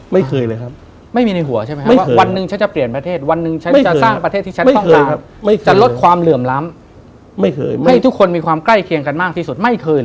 ไม่เคยเลยครับไม่เคยเลยครับ